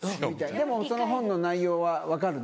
その本の内容は分かるの？